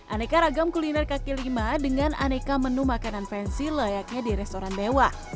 aneka ragam kuliner kaki lima dengan aneka menu makanan fansy layaknya di restoran dewa